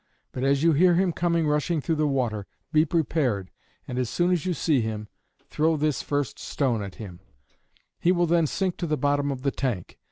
But as you hear him coming rushing through the water, be prepared, and as soon as you see him, throw this first stone at him; he will then sink to the bottom of the tank.